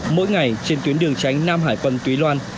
mỗi ngày trên tuyến đường tránh nam hải quân tùy loan